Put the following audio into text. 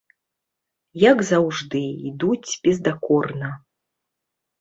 Як заўжды, ідуць бездакорна.